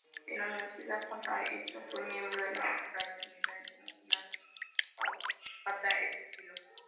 En la universidad, Conrad Hilton fue miembro de la fraternidad internacional Tau Kappa Epsilon.